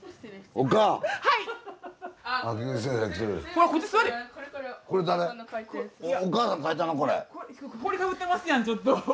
ほこりかぶってますやんちょっと。